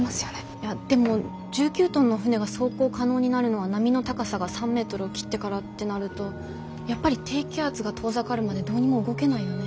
いやでも１９トンの船が走行可能になるのは波の高さが３メートルを切ってからってなるとやっぱり低気圧が遠ざかるまでどうにも動けないよね。